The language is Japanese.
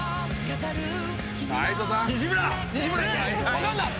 分かんない！